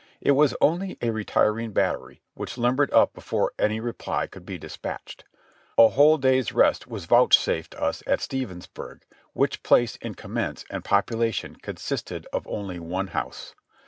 It was only a retiring battery, which limbered up before any reply could be dispatched. A whole day's rest was vouchsafed us at Stevensburg, which place in commerce and population consisted of only one house.